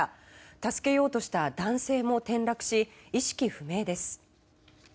助けようとした男性も転落し意識不明です。